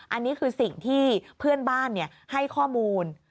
อันนี้คือสิ่งที่เพื่อนบ้านให้ข้อมูล